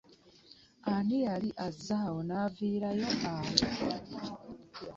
Ani yali azze wano n'aviirayo awo?